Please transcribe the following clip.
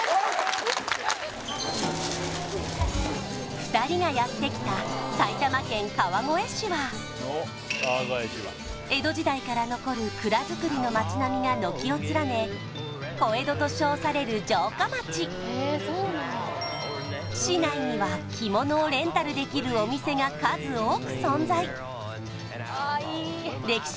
２人がやって来た埼玉県川越市は江戸時代から残る蔵造りの街並みが軒を連ね小江戸と称される城下町市内には着物をレンタルできるお店が数多く存在歴史